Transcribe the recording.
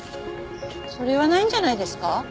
それはないんじゃないですか？